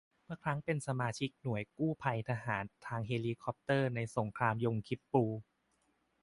เมื่อครั้งเป็นสมาชิกหน่วยกู้ภัยทหารทางเฮลิคอปเตอร์ในสงครามยมคิปปูร์